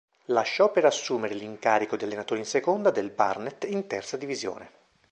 Lasciò per assumere l'incarico di allenatore in seconda del Barnet in Terza Divisione.